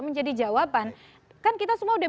menjadi jawaban kan kita semua sudah